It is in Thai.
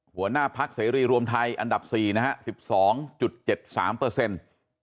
หัวหน้าภักษ์เสรีรวมไทยอันดับ๔นะ๑๒๗๓เปอร์เซ็นต์